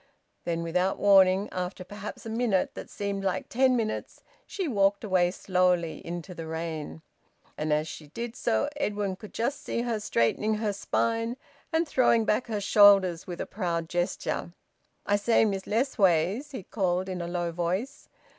Then without warning, after perhaps a minute that seemed like ten minutes, she walked away, slowly, into the rain. And as she did so, Edwin could just see her straightening her spine and throwing back her shoulders with a proud gesture. "I say, Miss Lessways!" he called in a low voice.